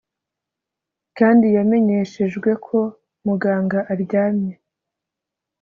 kandi yamenyeshejwe ko muganga aryamye